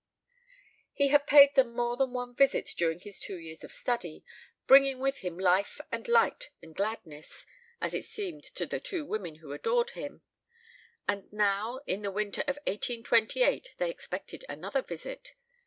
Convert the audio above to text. He had paid them more than one visit during his two years of study, bringing with him life and light and gladness, as it seemed to the two women who adored him; and now, in the winter of 1828, they expected another visit.